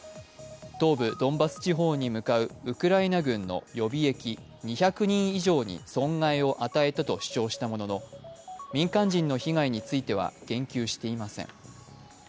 東部ドンバス地方に向かうウクライナ軍の予備役２００人以上に損害を与えたと主張したものの民間人の被害については言及していません。